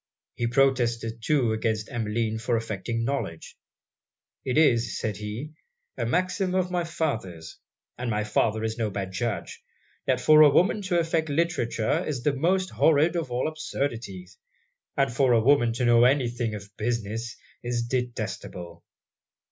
He protested too against Emmeline for affecting knowledge 'It is,' said he, 'a maxim of my father's and my father is no bad judge that for a woman to affect literature is the most horrid of all absurdities; and for a woman to know any thing of business, is detestable!'